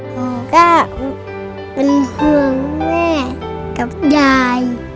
ก็เป็นเผื่อแม่กับยาย